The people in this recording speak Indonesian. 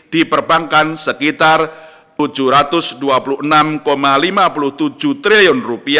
di perbankan sekitar rp tujuh ratus dua puluh enam lima puluh tujuh triliun